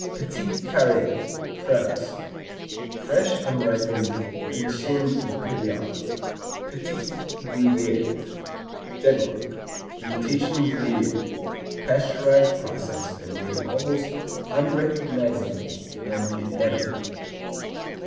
Petit Carré France Fresh, unripened Ancien Impérial. Petit Gruyère Denmark Imitation Gruyère, pasteurized, processed and made almost unrecognizable and inedible.